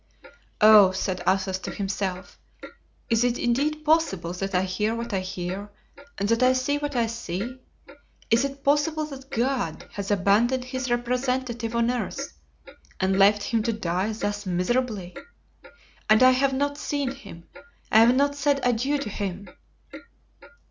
"Oh!" said Athos to himself, "is it indeed possible that I hear what I hear and that I see what I see? Is it possible that God has abandoned His representative on earth and left him to die thus miserably? And I have not seen him! I have not said adieu to him!"